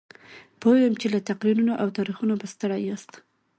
پوهېږم چې له تقریرونو او تاریخونو به ستړي یاست.